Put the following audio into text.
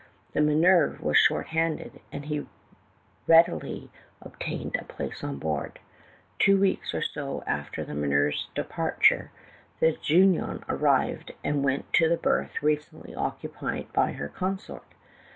The Minerve was short handed, and he readily obtained a place on board. Two weeks or so after the Minerve's departure, the Junon arrived and went to the berth recently occupied by her consort.